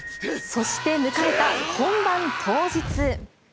そして迎えた本番当日。